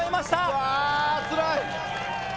うわつらい。